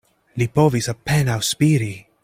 Li povis apenaŭ spiri.